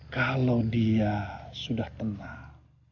kalau dia sudah tenang